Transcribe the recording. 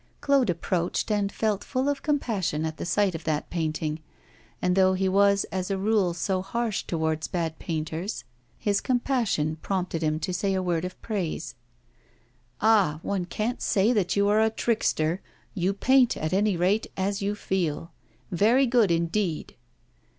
Claude approached and felt full of compassion at the sight of that painting, and though he was as a rule so harsh towards bad painters, his compassion prompted him to say a word of praise. 'Ah! one can't say that you are a trickster; you paint, at any rate, as you feel. Very good, indeed.